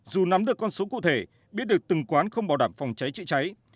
dù nắm được con số cụ thể biết được từng quán không bảo đảm phòng cháy chữa cháy